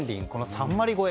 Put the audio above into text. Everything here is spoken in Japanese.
３割超え。